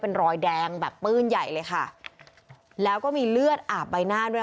เป็นรอยแดงแบบปื้นใหญ่เลยค่ะแล้วก็มีเลือดอาบใบหน้าด้วย